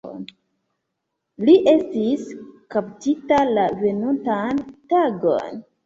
Li estis kaptita la venontan tagon.